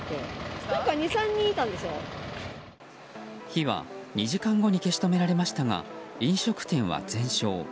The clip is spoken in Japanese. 火は２時間後に消し止められましたが飲食店は全焼。